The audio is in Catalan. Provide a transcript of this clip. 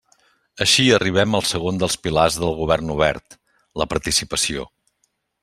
Així arribem al segon dels pilars del govern obert: la participació.